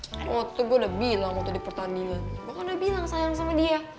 waktu gue udah bilang waktu di pertandingan gue kan udah bilang sayang sama dia